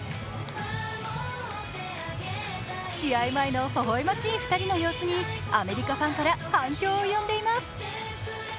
試合前のほほ笑ましい２人の様子にアメリカファンから反響を呼んでいます。